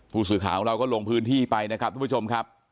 ผู้สื่อข่าวของเราก็ลงพื้นที่ไปนะครับทุกผู้ชมครับ